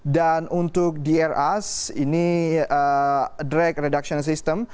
dan untuk drs ini drag reduction system